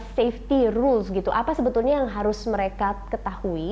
safety rules gitu apa sebetulnya yang harus mereka ketahui